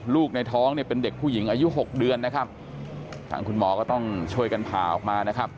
ในท้องเนี่ยเป็นเด็กผู้หญิงอายุหกเดือนนะครับทางคุณหมอก็ต้องช่วยกันผ่าออกมานะครับ